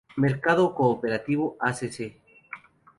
Mercado cooperativo Acc.